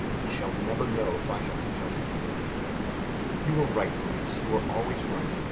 He shall never know if I have to tell him." "You are right, Maurice, you are always right.